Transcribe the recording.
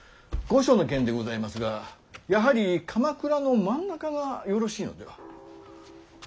御所の件でございますがやはり鎌倉の真ん中がよろしいのでは。